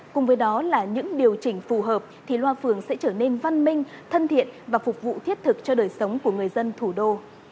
cùng với đó là những điều chỉnh phù hợp thì loa phường sẽ trở nên văn minh thân thiện và phục vụ thiết thực cho đời sống của người dân thủ đô